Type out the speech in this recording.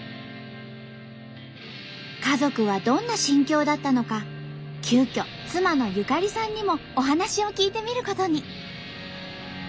家族はどんな心境だったのか急遽妻のゆかりさんにもお話を聞いてみることに。